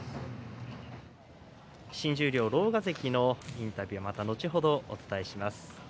新十両、狼雅関のインタビューまた後ほどお伝えします。